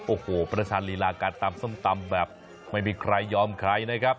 โอ้โหประชาญลีลาการตำส้มตำแบบไม่มีใครยอมใครนะครับ